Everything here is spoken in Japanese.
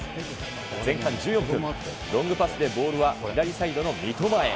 前半１４分、ロングパスでボールは左サイドの三笘へ。